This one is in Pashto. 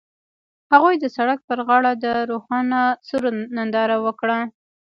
هغوی د سړک پر غاړه د روښانه سرود ننداره وکړه.